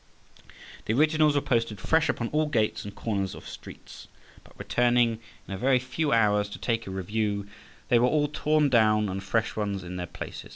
The originals were posted fresh upon all gates and corners of streets; but returning in a very few hours to take a review, they were all torn down and fresh ones in their places.